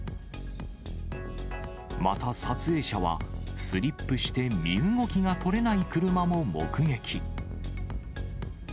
また、撮影者は、スリップして身動きが取れない車も目撃。